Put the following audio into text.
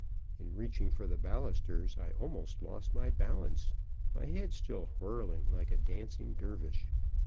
In reaching for the balusters, I almost lost my balance. My head still whirling like a dancing Dervish.